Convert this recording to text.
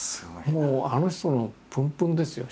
もうあの人のプンプンですよ